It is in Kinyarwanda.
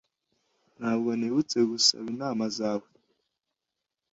Ntabwo nibutse gusaba inama zawe.